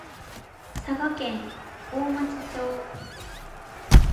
佐賀県大町町